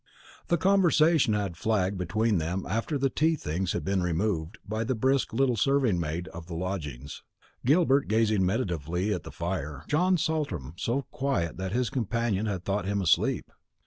The conversation had flagged between them after the tea things had been removed by the brisk little serving maid of the lodgings; Gilbert gazing meditatively at the fire, John Saltram so quiet that his companion had thought him asleep.